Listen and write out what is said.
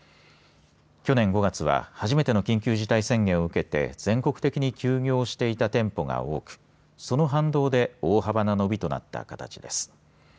去年５月は初めての緊急事態宣言を受けて全国的に休業していた店舗が多くその反動で大幅な伸びとなった形です。